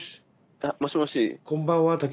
あもしもし。